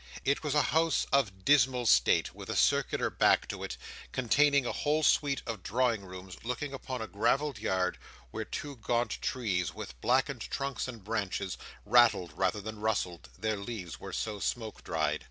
It was a house of dismal state, with a circular back to it, containing a whole suite of drawing rooms looking upon a gravelled yard, where two gaunt trees, with blackened trunks and branches, rattled rather than rustled, their leaves were so smoked dried.